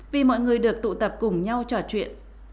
vì mọi người được tụ tập cùng nhau trò chuyện